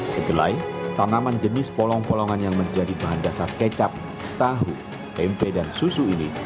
sedelai tanaman jenis polong polongan yang menjadi bahan dasar kecap tahu tempe dan susu ini